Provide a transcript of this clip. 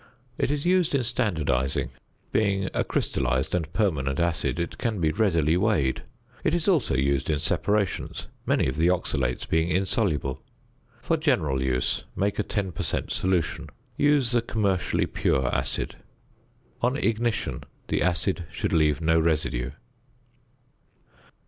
It is used in standardising; being a crystallised and permanent acid, it can be readily weighed. It is also used in separations, many of the oxalates being insoluble. For general use make a 10 per cent. solution. Use the commercially pure acid. On ignition the acid should leave no residue.